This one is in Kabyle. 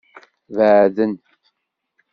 Beɛden.